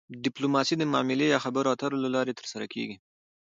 ډیپلوماسي د معاملې یا خبرو اترو له لارې ترسره کیږي